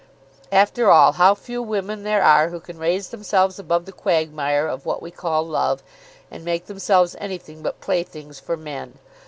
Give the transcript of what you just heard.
After all how few women there are who can raise themselves above the quagmire of what we call love, and make themselves anything but playthings for men.